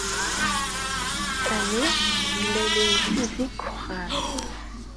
Sami yella la yettezzi deg uxxam.